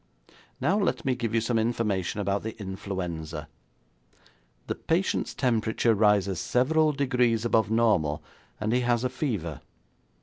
Now let me give you some information about the influenza. The patient's temperature rises several degrees above normal, and he has a fever.